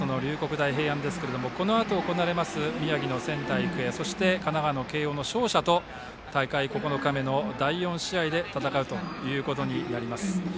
大平安はこのあと行われます宮城の仙台育英そして神奈川の慶応の勝者と大会９日目の第４試合で戦うことになります。